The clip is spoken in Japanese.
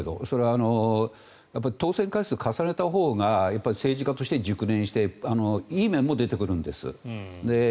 当選回数を重ねたほうが政治家として熟練していい面も出てくるんです。